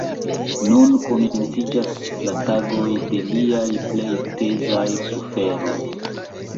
Nun komenciĝas la tagoj de liaj plej pezaj suferoj.